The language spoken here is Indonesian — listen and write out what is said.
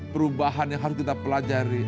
perubahan yang harus kita pelajari